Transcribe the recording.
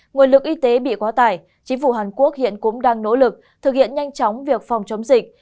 nguồn lực y tế bị quá tải chính phủ hàn quốc hiện cũng đang nỗ lực thực hiện nhanh chóng việc phòng chống dịch